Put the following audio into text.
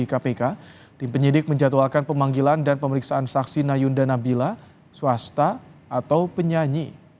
kepala bagian pemberitaan kpk livi krim melalui pesan tersebut